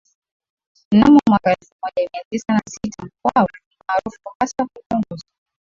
mnamo mwaka elfu moja mia tisa na sita Mkwawa ni maarufu hasa kwa kuongoza